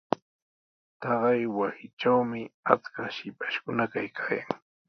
Taqay wasitrawmi achkaq shipashkuna kaykaayan.